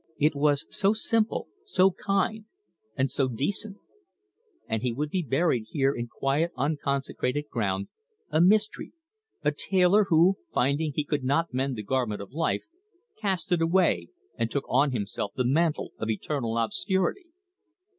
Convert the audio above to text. It was so simple, so kind, and so decent. And he would be buried here in quiet, unconsecrated ground, a mystery, a tailor who, finding he could not mend the garment of life, cast it away, and took on himself the mantle of eternal obscurity.